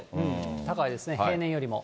高いですね、平年よりも。